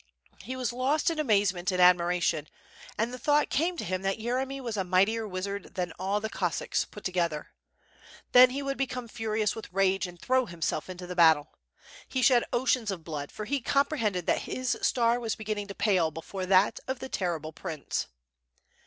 He was lost in amazement and admiration, and the thought came to him that Yeremy was a mightier wizard than all the Cos sacks put together. Then he would become furious with rage and throw himself into the battle. He shed oceans of blood, for he comprehended that his star was beginning to pale before that of the terrible prince.